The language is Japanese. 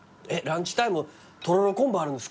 ランチタイムとろろ昆布あるんですか。